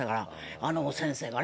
あの先生がね。